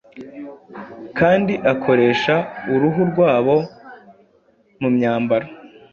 kandi akoresha uruhu rwabo mu myambaro